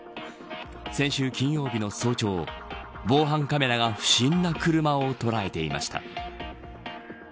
先週金曜日の早朝防犯カメラが不審な車を捉えていました。